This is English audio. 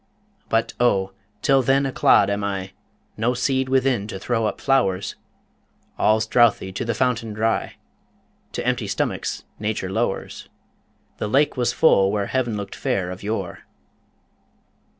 But, oh! till then a clod am I: No seed within to throw up flowers: All's drouthy to the fountain dry: To empty stomachs Nature lowers: The lake was full where heaven look'd fair of yore!